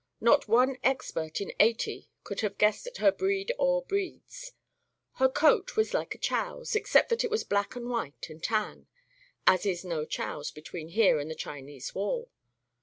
Not one expert in eighty could have guessed at her breed or breeds. Her coat was like a chow's, except that it was black and white and tan as is no chow's between here and the Chinese Wall.